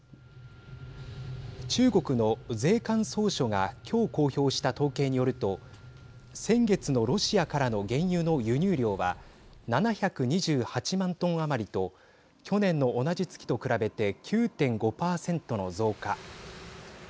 中国の税関総署がきょう公表した統計によると先月のロシアからの原油の輸入量は７２８万トン余りと去年の同じ月と比べて９．５％の増加。